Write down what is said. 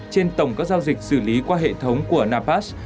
trên tổng các giao dịch xử lý qua hệ thống của napas